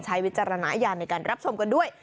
วิจารณญาณในการรับชมกันด้วย